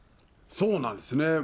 そうなんですね。